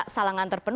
salah nganter perang